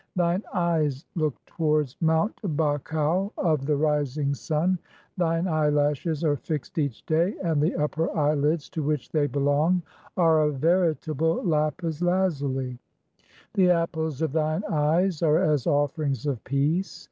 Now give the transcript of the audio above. Thine eyes look towards (15) Mount Bakhau of "the rising sun ; thine eyelashes are fixed each day, and the "upper eyelids to which they belong are of veritable lapis lazuli ; "the apples of thine eyes are [as] offerings of peace